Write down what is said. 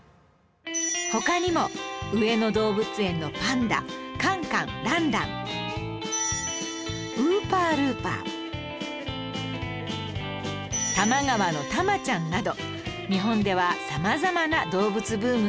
他にも上野動物園のパンダカンカンランランウーパールーパー多摩川のタマちゃんなど日本では様々な動物ブームが起きました